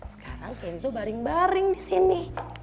sekarang genzo baring baring di sini